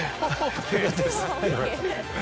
よかったです。